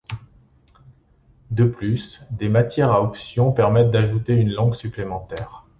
De plus, des matières à options permettent d'ajouter une langue supplémentaire.